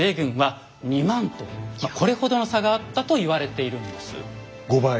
これほどの差があったと言われているんです。